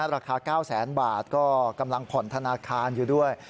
ราคา๙แสนบาทก็กำลังผ่อนธนาคารอยู่ด้วย